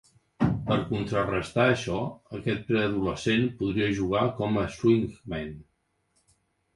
Per contrarestar això, aquest preadolescent podria jugar com "swingman".